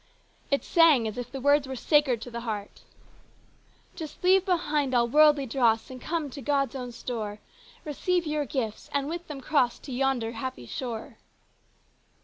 It sang as if the words were sacred to the heart : "Just leave behind all worldly dross and come to God's own store ; Receive your gifts and with them cross to yonder happy shore."